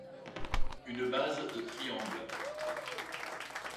une base de triangle.